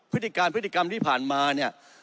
พฤติการพฤติกรรมที่ผ่านมาเนี่ย